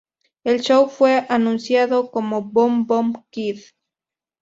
El show fue anunciado como Boom Boom Kid.